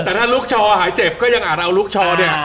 แต่ถ้าลูกชอหายเจ็บก็ยังอาจเอาลูกชอเนี่ย